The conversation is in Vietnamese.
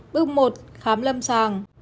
bước một khám lâm sàng